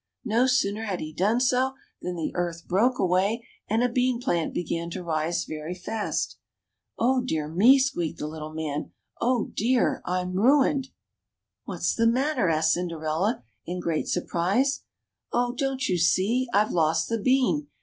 No sooner had he done so than the earth broke away, and a bean plant began to rise very fast. ^^Oh, dear me!" squeaked the little man; Oh, dear! I'm ruined !" What's the matter?" asked Cinderella, in great sur prise. Oh ! don't you see ? I've lost the bean